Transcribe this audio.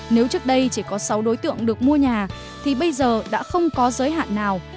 nếu trước đây chỉ có sáu đối tượng được mua nhà thì bây giờ đã không có giới hạn nào